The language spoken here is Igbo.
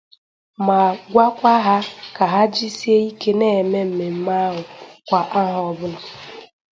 ma gwakwa ha ka ha jisie ike na-eme mmemme ahụ kwa ahọ ọbụla.